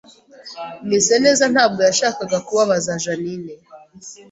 Mwiseneza ntabwo yashakaga kubabaza Jeaninne